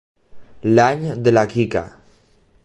L'any de la Quica.